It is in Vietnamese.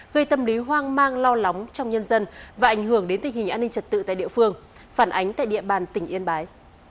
gây tâm lý hoang mang lo lắng trong nhân dân và ảnh hưởng đến tình hình an ninh trật tự tại địa phương phản ánh tại địa bàn tỉnh yên bái